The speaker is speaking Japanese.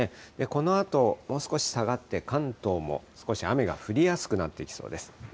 このあと、もう少し下がって関東も少し雨が降りやすくなってきそうです。